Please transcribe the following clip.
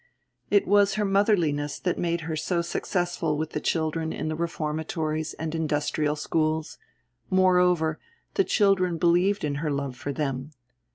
It was her motherliness that made her so successful with the children in the reformatories and industrial schools; moreover, the children believed in her love for them.